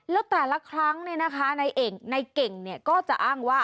แล้วแต่ละครั้งเนี่ยนะคะในเก่งก็จะอ้างว่า